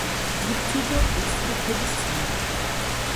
იბრძოდა ოსტგუთების წინააღმდეგ.